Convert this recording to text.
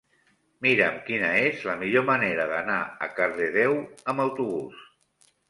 Mira'm quina és la millor manera d'anar a Cardedeu amb autobús.